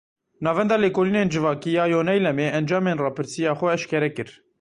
Navenda Lêkolînên Civakî ya Yoneylemê encamên rapirsiya xwe eşkere kir.